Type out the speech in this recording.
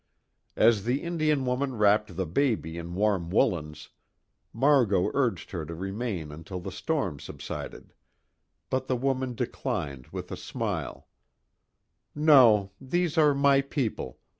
As the Indian woman wrapped the baby in warm woolens, Margot urged her to remain until the storm subsided, but the woman declined with a smile: "No. These are my people.